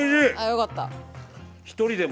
よかった。